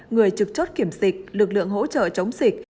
người trực chốt kiểm dịch lực lượng hỗ trợ chống dịch